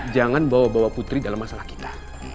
jangan bawa bawa putri dalam masalah kita